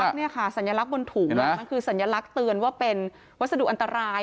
นี่ค่ะสัญลักษณ์บนถุงมันคือสัญลักษณ์เตือนว่าเป็นวัสดุอันตราย